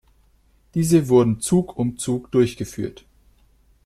Diese wurden Zug um Zug durchgeführt.